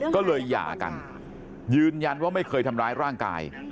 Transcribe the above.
ก็เลยหย่ากันยืนยันว่าไม่เคยทำร้ายร่างกาย